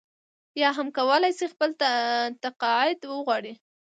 یا هم کولای شي خپل تقاعد وغواړي.